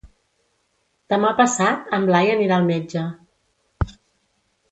Demà passat en Blai anirà al metge.